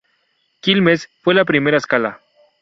Quilmes fue la primera escala.